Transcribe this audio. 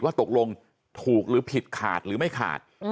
ตกลงถูกหรือผิดขาดหรือไม่ขาด